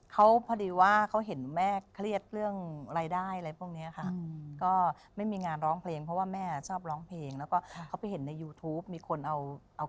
เขาพอดีว่าเขาเห็นแม่เครียดเรื่องรายได้อะไรพวกนี้อะค่ะ